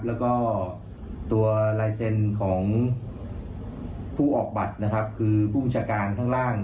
แล้วก็ตัวลายเซ็นต์ของผู้ออกบัตรนะครับคือผู้บัญชาการข้างล่าง